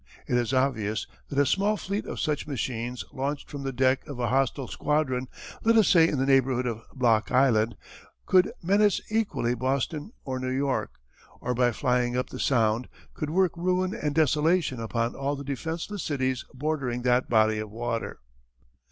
It is obvious that a small fleet of such machines launched from the deck of a hostile squadron, let us say in the neighbourhood of Block Island, could menace equally Boston or New York, or by flying up the Sound could work ruin and desolation upon all the defenceless cities bordering that body of water.